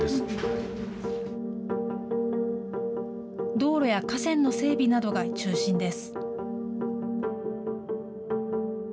道路や河川の整備などが中心です。